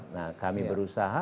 nah kami berusaha